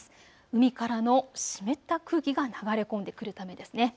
海からの湿った空気が流れ込んでくるためです。